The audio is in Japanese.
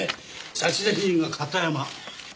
差出人が片山。